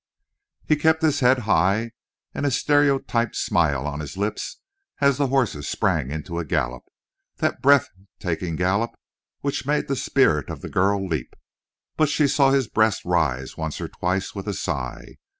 He kept his head high and a stereotyped smile on his lips as the horses sprang into a gallop that breath taking gallop which made the spirit of the girl leap; but she saw his breast raise once or twice with a sigh.